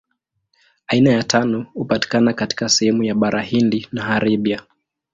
Aina ya tano hupatikana katika sehemu ya Bara Hindi na Arabia.